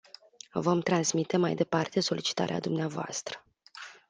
Vom transmite mai departe solicitarea dvs.